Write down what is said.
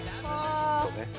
きっとね。